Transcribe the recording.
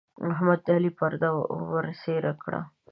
احمد د علي پرده ورڅيرې کړه.